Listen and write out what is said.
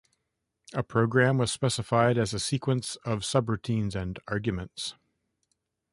A program was specified as a sequence of subroutines and arguments.